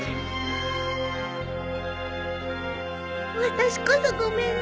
私こそごめんね。